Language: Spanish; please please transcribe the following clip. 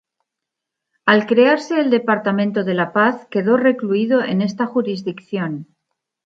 Al crearse el departamento de La Paz quedó recluido en esta jurisdicción.